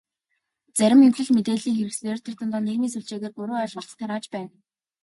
Зарим хэвлэл, мэдээллийн хэрэгслээр тэр дундаа нийгмийн сүлжээгээр буруу ойлголт тарааж байна.